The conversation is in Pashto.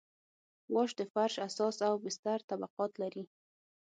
واش د فرش اساس او بستر طبقات لري